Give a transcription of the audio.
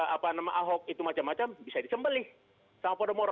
apa nama ahok itu macam macam bisa disembelih sama podomoro